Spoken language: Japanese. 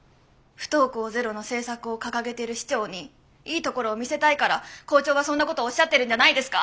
不登校ゼロの政策を掲げている市長にいいところを見せたいから校長はそんなことおっしゃってるんじゃないですか？